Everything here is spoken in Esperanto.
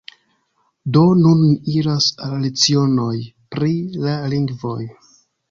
Do, nun ni iras al lecionoj pri la lingvoj